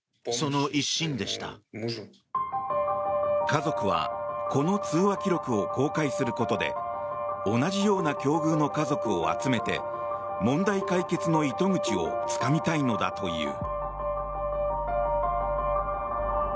家族はこの通話記録を公開することで同じような境遇の家族を集めて問題解決の糸口をつかみたいのだという。